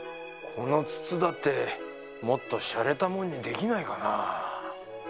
この筒だってもっとシャレたもんにできないかなあ。